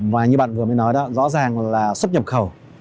và như bạn vừa mới nói đó rõ ràng là xuất nhập khẩu